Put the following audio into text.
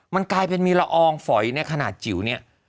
มันกลายเป็นมีละอองฝอยในขนาดจิ๋วเนี่ย